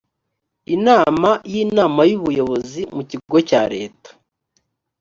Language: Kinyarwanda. inama y inama y ubuyobozi mu kigo cya leta